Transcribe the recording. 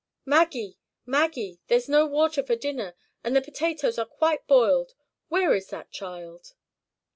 "Maggie! Maggie! there's no water for dinner, and the potatoes are quite boiled. Where is that child?"